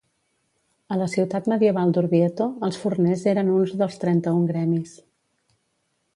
A la ciutat medieval d'Orvieto, els forners eren uns dels trenta-un gremis.